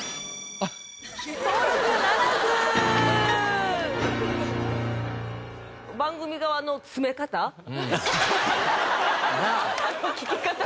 あの聞き方も。